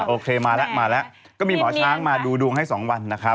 โอเคมาแล้วก็มีหมอช้างมาดูดวงให้สองวันนะครับ